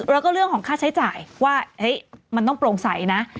แล้วก็เรื่องของค่าใช้จ่ายว่ามันต้องโปร่งใสนะ